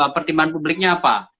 pertimbangan publiknya apa